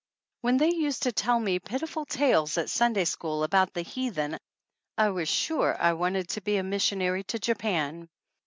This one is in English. When they used to tell me pitiful tales at Sunday school about the heathen I was sure I wanted to be a missionary to Japan.